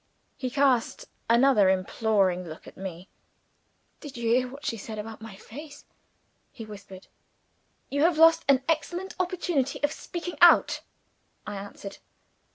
He cast another imploring look at me. "Did you hear what she said about my face?" he whispered. "You have lost an excellent opportunity of speaking out," I answered.